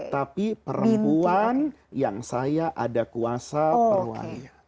tapi perempuan yang saya ada kuasa perwalian